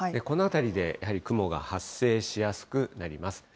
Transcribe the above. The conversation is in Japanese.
この辺りでやはり、雲が発生しやすくなります。